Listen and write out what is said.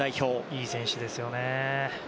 いい選手ですよね。